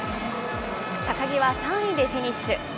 高木は３位でフィニッシュ。